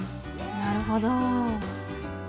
なるほど。